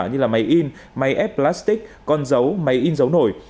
như máy in máy ép plastic con dấu máy in dấu nổi